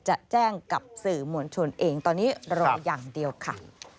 จะแจ้งกับสื่อมวลชนเองตอนนี้รออย่างเดียวค่ะ